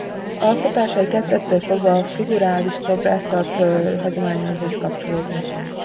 Alkotásai kezdettől fogva a figurális szobrászat hagyományaihoz kapcsolódnak.